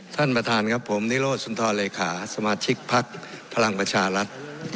ท่านประธานครับผมนิโรธสุนทรเลขาสมาชิกพักพลังประชารัฐ